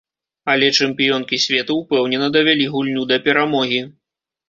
Але чэмпіёнкі свету ўпэўнена давялі гульню да перамогі.